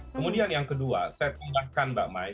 kemudian yang kedua saya tambahkan mbak mai